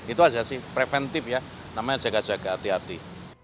itu aja sih preventif ya namanya jaga jaga hati hati